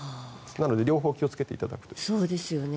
なので両方気をつけていただくといいかと。